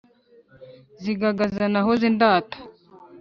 Sigagaza nahoze ndata